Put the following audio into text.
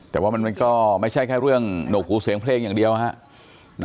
แต่ว่ามันก็ไม่ใช่แค่เรื่องหนกหูเสียงเพลงอย่างเดียวฮะ